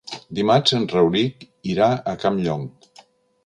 Dimarts en Rauric irà a Campllong.